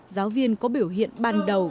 giáo viên có biểu hiện ban đầu